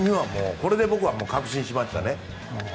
これで僕は確信しましたね。